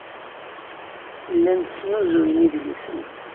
Llan snuzuyen idlisen.